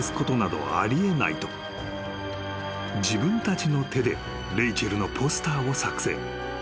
［自分たちの手でレイチェルのポスターを作成］